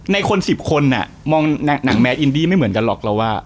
ในคน๑๐คนมองหนังแมนอินดี้ไม่เหมือนกันหรอกเราว่า